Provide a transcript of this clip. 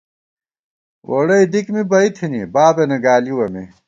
ووڑَئی دِک می بئ تھنی بابېنہ گالِوَہ مے